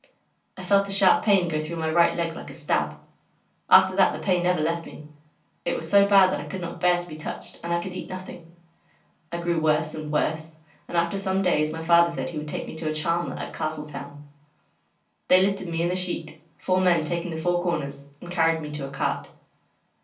I felt a sharp pain go through my right leg like a stab. After that the pain never left me; it was so bad that I could not bear to be touched, and I could eat nothing. I grew worse and worse, and after some days my father said he would take me to a Charmer at Castletown. They lifted me in the sheet, four men taking the four corners, and carried me to a cart.